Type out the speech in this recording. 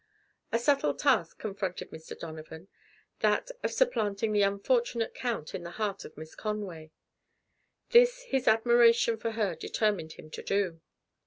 A subtle task confronted Mr. Donovan that of supplanting the unfortunate Count in the heart of Miss Conway. This his admiration for her determined him to do.